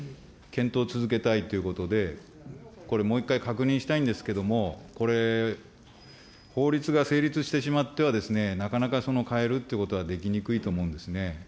検討を続けたいということで、これ、もう一回確認したいんですけれども、これ、法律が成立してしまっては、なかなか変えるってことはできにくいと思うんですね。